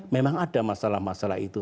memang ada masalah masalah itu